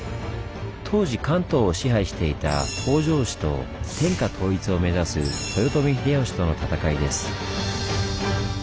当時関東を支配していた北条氏と天下統一を目指す豊臣秀吉との戦いです。